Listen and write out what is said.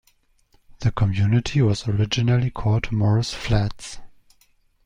The community was originally called Morris Flats.